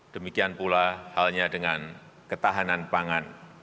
demikian pula halnya dengan ketahanan pangan